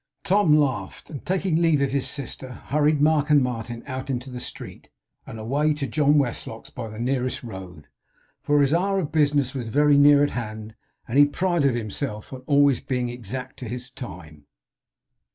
Tom laughed, and taking leave of his sister, hurried Mark and Martin out into the street, and away to John Westlock's by the nearest road; for his hour of business was very near at hand, and he prided himself on always being exact to his time.